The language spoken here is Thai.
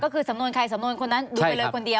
ก็คือสำนวนใครสำนวนคนนั้นดูไปเลยคนเดียว